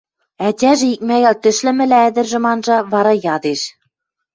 Ӓтяжӹ икмӓгӓл тӹшлӹмӹлӓ ӹдӹржӹм анжа, вара ядеш: